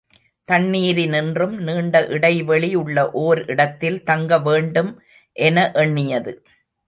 தண்ணீரினின்றும் நீண்ட இடைவெளி உள்ள ஓர் இடத்தில் தங்க வேண்டும் என எண்ணியது.